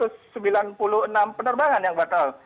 sebanyak satu ratus sembilan puluh enam penerbangan yang batal